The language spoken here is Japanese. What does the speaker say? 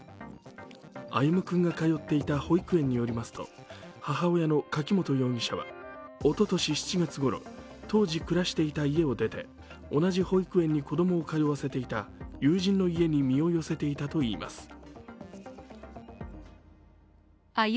歩夢君が通っていた保育園によりますと母親の柿本容疑者は、おととし７月ごろ、当時暮らしていた家を出て同じ保育園に子どもを通わせていた友人の家に身を寄せていたといいます。